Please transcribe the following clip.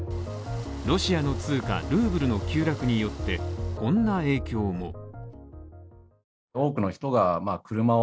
ロシアの通貨、ルーブルの急落によってこんな影響も。